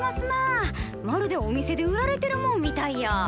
まるでお店で売られてるもんみたいや。